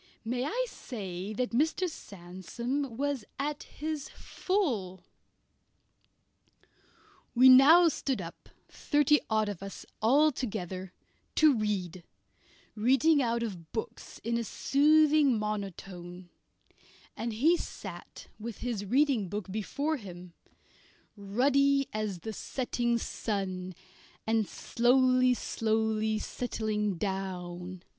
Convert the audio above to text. May I say that Mr. Sandsome was at his full? We now stood up, thirty odd of us altogether, to read, reading out of books in a soothing monotone, and he sat with his reading book before him, ruddy as the setting sun, and slowly, slowly settling down.